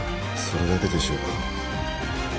それだけでしょうか？